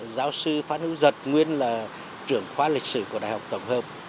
giáo sư phát nữ giật nguyên là trưởng khoa lịch sử của đại học tổng hợp